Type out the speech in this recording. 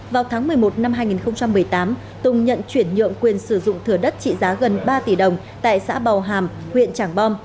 vào tháng một mươi một năm hai nghìn một mươi tám tùng nhận chuyển nhượng quyền sử dụng thừa đất trị giá gần ba tỷ đồng tại xã bào hàm huyện trảng bom